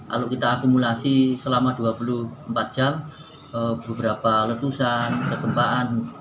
lalu kita akumulasi selama dua puluh empat jam beberapa letusan kegempaan